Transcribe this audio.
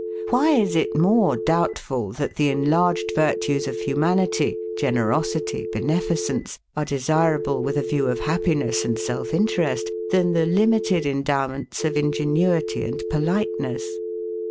Why is it more doubtful, that the enlarged virtues of humanity, generosity, beneficence, are desirable with a view of happiness and self interest, than the limited endowments of ingenuity and politeness?